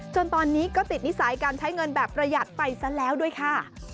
จนตอนนี้ก็ติดนิสัยการใช้เงินแบบประหยัดไปซะแล้วด้วยค่ะ